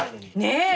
ねえ。